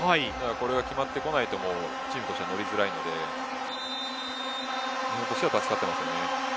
これが決まってこないとチームとしては乗りづらいので日本としては助かっていますね。